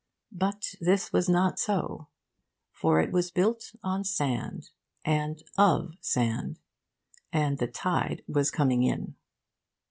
But this was not so. For it was built on sand, and of sand; and the tide was coming in.